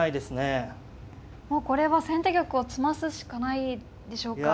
もうこれは先手玉を詰ますしかないでしょうか。